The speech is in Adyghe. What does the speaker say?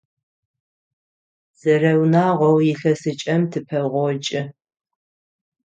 Зэрэунагъоу илъэсыкӏэм тыпэгъокӏы.